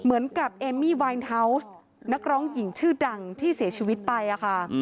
เหมือนกับเอมมี่วายทาวส์นักร้องหญิงชื่อดังที่เสียชีวิตไปค่ะ